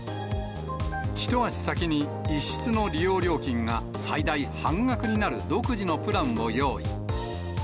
一足先に１室の利用料金が最大半額になる独自のプランを用意。